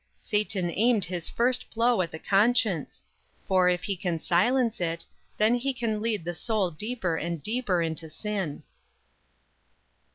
"Satan aimed his first blow at the conscience; for if he can silence it, then he can lead the soul deeper and deeper into sin."